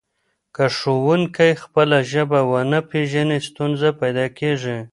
که ښوونکی خپله ژبه ونه پېژني ستونزه پیدا کېږي.